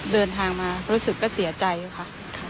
เดินทางมารู้สึกก็เสียใจค่ะ